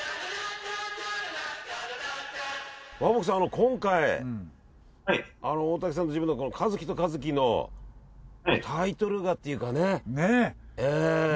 今回大竹さんと自分一樹と和樹のタイトル画というか。